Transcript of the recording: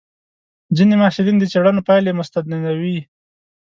ځینې محصلین د څېړنو پایلې مستندوي.